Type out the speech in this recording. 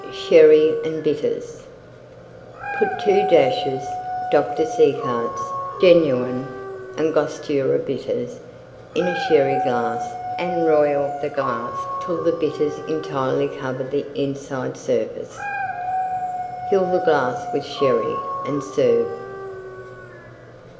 SHERRY AND BITTERS Put 2 dashes Dr. Siegert's genuine Angostura Bitters in a Sherry glass and roil the glass 'till the Bitters entirely cover the inside surface. Fill the glass with Sherry and serve.